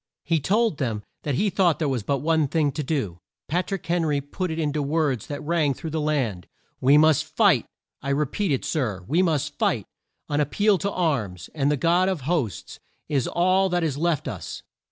He told them that he thought there was but one thing to do. Pat rick Hen ry put it in to words that rang through the land: "We must fight! I repeat it, Sir, we must fight! An ap peal to arms, and the God of hosts, is all that is left us!"